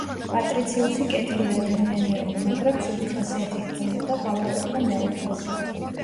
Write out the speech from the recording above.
პატრიციუსი კეთილი ადამიანი იყო, მაგრამ ცუდი ხასიათი ჰქონდა და ღალატობდა მეუღლეს.